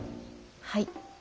はい。